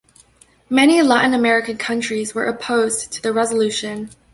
Many Latin American countries were opposed to the resolution.